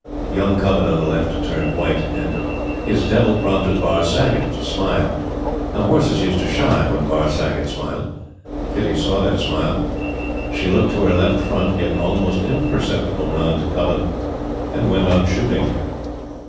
Young Cubbon on the left turned white, and his Devil prompted Barr Saggott to smile. Now horses used to shy when Barr Saggott smiled. Kitty saw that smile. She looked to her left front, gave an almost imperceptible nod to Cubbon, and went on shooting.